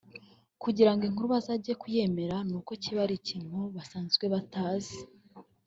kugirango inkuru bazajye kuyemera n’uko kiba ari ikintu basanzwe batazi